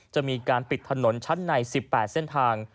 จะมีการปิดถนนชั้นใน๑๘เส้นทาง